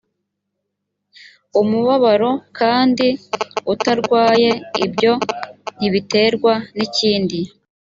umubabaro kandi utarwaye ibyo ntibiterwa n ikindi